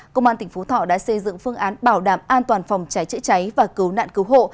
công an tỉnh phú thọ đã xây dựng phương án bảo đảm an toàn phòng cháy chữa cháy và cứu nạn cứu hộ